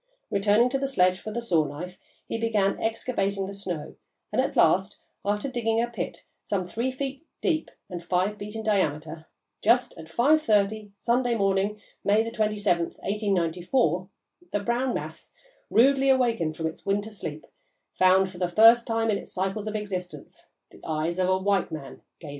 Returning to the sledge for the saw knife, he began excavating the snow, and at last, after digging a pit, some three feet deep and five feet in diameter, just at 5.30 Sunday morning, May 27, 1894, the brown mass, rudely awakened from its winter sleep, found, for the first time in its cycles of existence, the eyes of a white man gazing upon it."